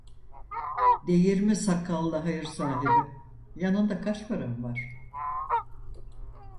Değirmi sakallı hayır sahibi: "Yanında kaç paran var?"